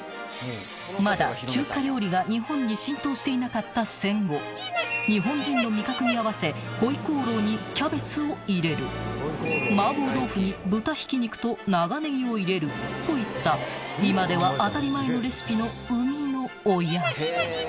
［まだ中華料理が日本に浸透していなかった戦後日本人の味覚に合わせホイコーローにキャベツを入れるマーボー豆腐に豚ひき肉と長ネギを入れるといった今では当たり前のレシピの生みの親］